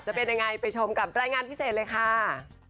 จะเป็นยังไงไปชมกับรายงานพิเศษเลยค่ะ